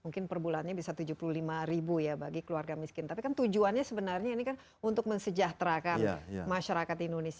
mungkin perbulannya bisa tujuh puluh lima ribu ya bagi keluarga miskin tapi kan tujuannya sebenarnya ini kan untuk mensejahterakan masyarakat indonesia